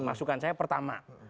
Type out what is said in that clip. masukan saya pertama